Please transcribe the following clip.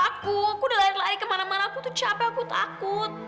aku aku udah lari lari kemana mana aku tuh capek aku takut